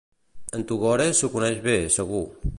En Tugores s'ho coneix bé, segur.